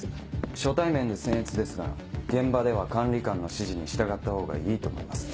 初対面で僭越ですが現場では管理官の指示に従った方がいいと思います。